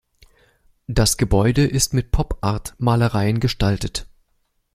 Das Gebäude ist mit Pop-Art-Malereien gestaltet.